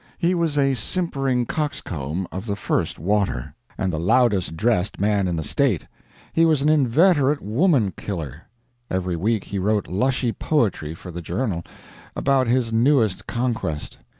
He was a simpering coxcomb of the first water, and the "loudest" dressed man in the state. He was an inveterate woman killer. Every week he wrote lushy "poetry" for the journal, about his newest conquest.